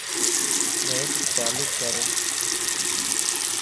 نيٽ چالو ڪر